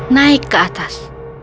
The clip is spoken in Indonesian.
naik ke atas